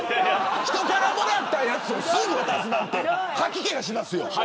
人からもらったやつをすぐ渡すなんて吐き気しますよ。